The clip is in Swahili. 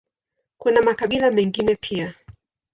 Kuna makabila mengine pia.